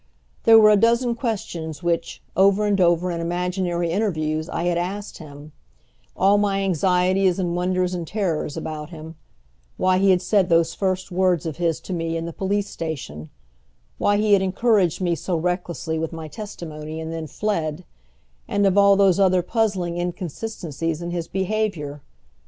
There were a dozen questions which, over and over in imaginary interviews, I had asked him, all my anxieties and wonders and terrors about him; why he had said those first words of his to me in the police station; why he had encouraged me so recklessly with my testimony, and then fled, and of all those other puzzling inconsistencies in his behavior.